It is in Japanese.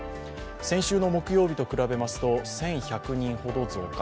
先週の木曜日と比べますと１１００人ほど増加。